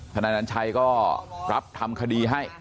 นอนัญชัยก็รับทำคดีให้